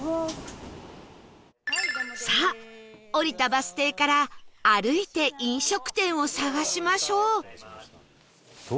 さあ降りたバス停から歩いて飲食店を探しましょう